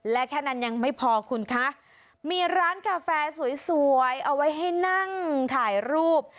และแค่นั้นยังไม่พอคุณคะมีร้านกาแฟสวยเอาไว้ให้นั่งถ่ายรูป